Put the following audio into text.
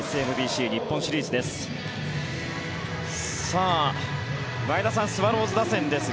ＳＭＢＣ日本シリーズです。